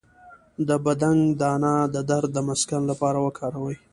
د بنګ دانه د درد د مسکن لپاره وکاروئ